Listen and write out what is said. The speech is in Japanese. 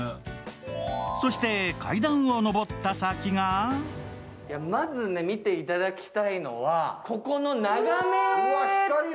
そして階段を登った先がまず見ていただきたいのは、ここの眺め！